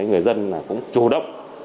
người dân cũng chủ động